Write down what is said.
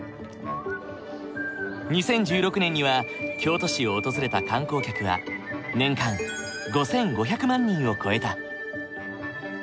２０１６年には京都市を訪れた観光客は年間５，５００万人を超えた。